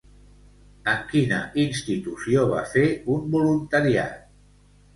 En quina institució va fer un voluntariat?